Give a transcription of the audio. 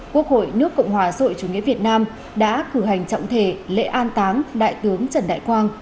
quốc hội nước cộng hòa xã hội chủ nghĩa việt nam đã cử hành trọng thể lễ an táng đại tướng trần đại quang